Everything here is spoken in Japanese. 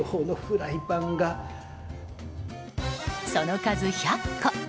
その数、１００個。